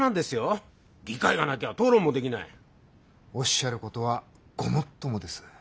おっしゃることはごもっともです。